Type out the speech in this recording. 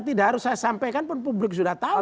tidak harus saya sampaikan pun publik sudah tahu